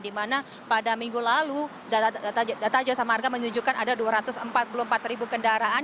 dimana pada minggu lalu data jawa samarga menunjukkan ada dua ratus empat puluh empat kendaraan